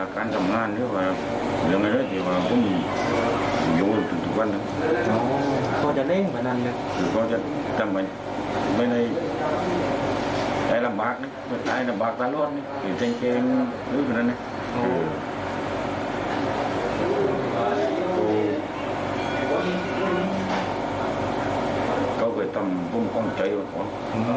ก็คือให้พวกเขาไปทำพรุ่งป้องใจอ่อนหวาน